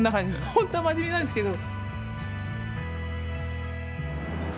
本当は真面目なんですけど。